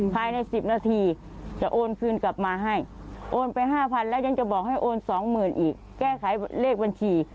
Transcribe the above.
ภายใน๑๐นาทีจะโอนคืนกลับมาให้โอนไป๕๐๐๐แล้วยังจะบอกให้โอน๒๐๐๐อีกแก้ไขเลขบัญชี